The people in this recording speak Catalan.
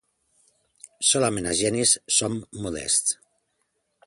Solament els genis som modests.